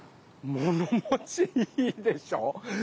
ものもちいいでしょ？